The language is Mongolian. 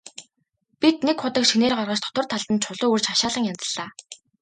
Бид нэг худаг шинээр гаргаж, дотор талд нь чулуу өрж хашаалан янзаллаа.